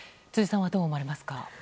辻さん、どう思われますか？